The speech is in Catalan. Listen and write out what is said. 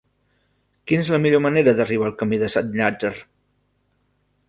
Quina és la millor manera d'arribar al camí de Sant Llàtzer?